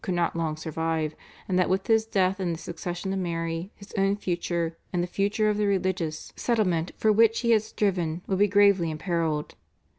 could not long survive, and that with his death and the succession of Mary, his own future and the future of the religious settlement for which he had striven would be gravely imperilled.